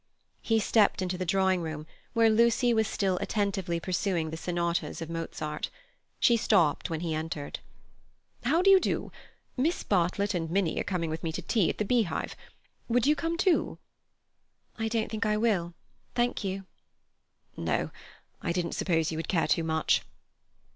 He stepped into the drawing room, where Lucy was still attentively pursuing the Sonatas of Mozart. She stopped when he entered. "How do you do? Miss Bartlett and Minnie are coming with me to tea at the Beehive. Would you come too?" "I don't think I will, thank you." "No, I didn't suppose you would care to much."